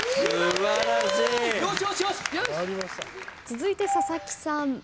続いて佐々木さん。